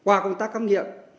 qua công tác khám nghiệm